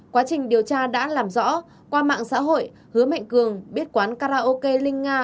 quá trình điều tra đã làm rõ qua mạng xã hội hứa mạnh cường biết quán karaoke linh nga